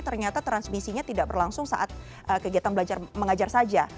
ternyata transmisinya tidak berlangsung saat kegiatan belajar mengajar saja